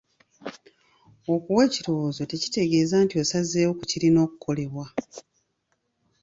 Okuwa ekirowoozo tekitegeeza nti osazeewo ku kirina okukolebwa.